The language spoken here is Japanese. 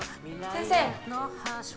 先生！